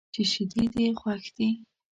چې شیدې دې خوښ دي.